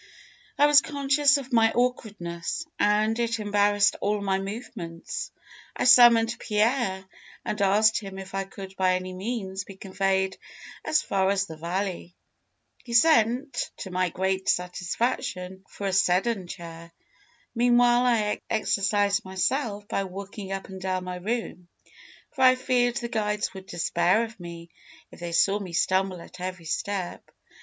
I was conscious of my awkwardness, and it embarrassed all my movements. I summoned Pierre, and asked him if I could by any means be conveyed as far as the valley. He sent, to my great satisfaction, for a sedan chair. Meanwhile, I exercised myself by walking up and down my room, for I feared the guides would despair of me if they saw me stumble at every step.